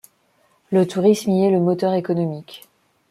Le tourisme y est le moteur économique.